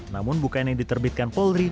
namun bukan yang diterbitkan polri